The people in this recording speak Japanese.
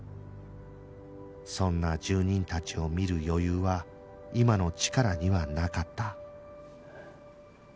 そんな住人たちを見る余裕は今のチカラにはなかった